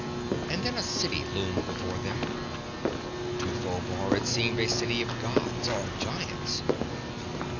And then a city loomed before them. To Phobar it seemed a city of gods or giants.